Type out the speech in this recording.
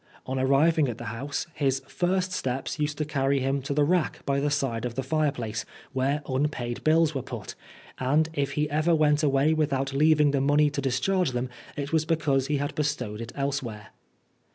On arriving at the house, his first steps used to carry him to the rack by the side of the fireplace where unpaid bills were put, and if he ever went away without leaving the money to discharge them, it was because he had bestowed it elsewhere.